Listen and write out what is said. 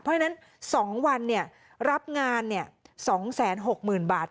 เพราะฉะนั้นสองวันเนี่ยรับงานเนี่ยสองแสนหกหมื่นบาท